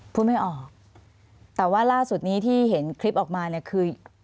พูดไม่ออกแต่ว่าล่าสุดนี้ที่เห็นคลิปออกมาเนี่ยคือ